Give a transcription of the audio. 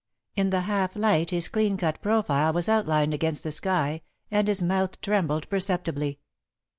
In the half light, his clean cut profile was outlined against the sky, and his mouth trembled perceptibly.